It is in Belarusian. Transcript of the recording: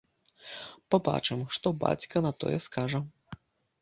Пабачым, што бацька на тое скажа?